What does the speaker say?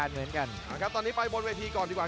ประโยชน์ทอตอร์จานแสนชัยกับยานิลลาลีนี่ครับ